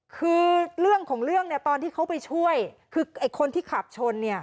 คือเรื่องของเรื่องเนี่ยตอนที่เขาไปช่วยคือไอ้คนที่ขับชนเนี่ย